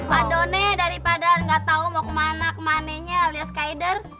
pak done daripada gak tau mau kemana kemanenya alias kaider